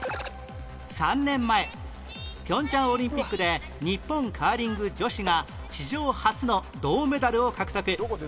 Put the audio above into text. ３年前平昌オリンピックで日本カーリング女子が史上初の銅メダルを獲得